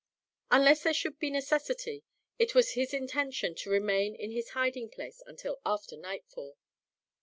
Unless there should be necessity, it was his intention to remain in his hiding place until after nightfall.